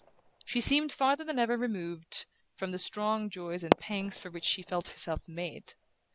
She seemed farther than ever removed from the strong joys and pangs for which she felt herself made.